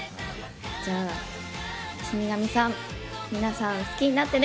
じゃあ『死神さん』、皆さん好きになってね。